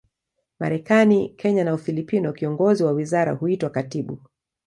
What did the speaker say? Marekani, Kenya na Ufilipino, kiongozi wa wizara huitwa katibu.